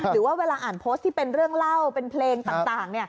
หรือว่าเวลาอ่านโพสต์ที่เป็นเรื่องเล่าเป็นเพลงต่าง